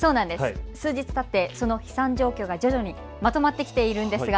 数日たってその飛散状況が徐々にまとまってきているんですが